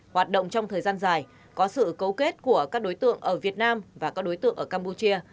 hoạt động trong thời gian dài có sự cấu kết của các đối tượng ở việt nam và các đối tượng ở campuchia